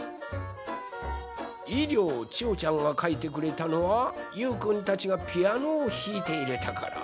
いりょうちおちゃんがかいてくれたのはゆうくんたちがピアノをひいているところ。